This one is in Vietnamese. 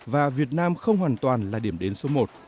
và việt nam không hoàn toàn là điểm đếm